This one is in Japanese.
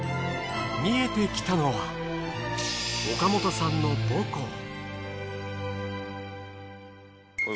見えてきたのは岡本さんの母校。